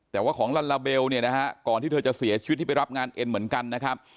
แต่ว่าของลัลลาเบลเนี่ยนะฮะก่อนที่เธอจะเสียชีวิตที่ไปรับงานเอ็นเหมือนกันนะครับ